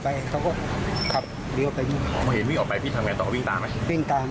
ไปแยกของทิศ